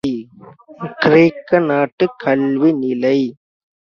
கிரேக்க நாட்டுக் கல்வி நிலை.